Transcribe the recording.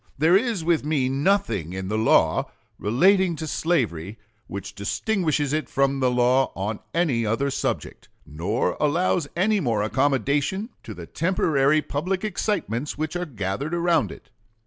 There is with me nothing in the law relating to slavery which distinguishes it from the law on any other subject, or allows any more accommodation to the temporary public excitements which are gathered around it....